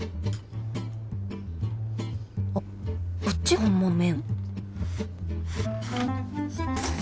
あっこっちが本物の麺？